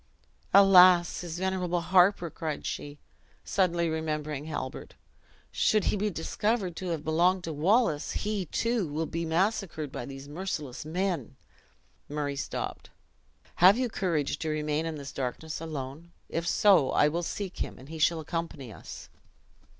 "Alas! his venerable harper," cried she, suddenly remembering Halbert; "should he be discovered to have belonged to Wallace, he, too, will be massacred by these merciless men." Murray stopped. "Have you courage to remain in this darkness alone? If so, I will seek him, and he shall accompany us."